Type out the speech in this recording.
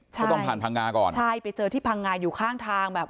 ก็ต้องผ่านพังงาก่อนใช่ไปเจอที่พังงาอยู่ข้างทางแบบ